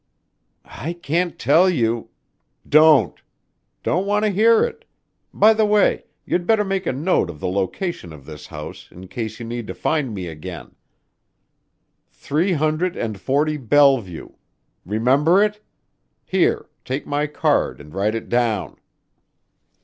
"I can't tell you " "Don't. Don't want to hear it. By the way, you'd better make a note of the location of this house in case you need to find me again. Three hundred and forty Bellevue, remember it? Here, take my card and write it down."